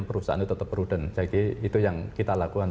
perusahaan itu tetap prudent saya kira itu yang kita lakukan